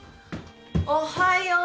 おはよう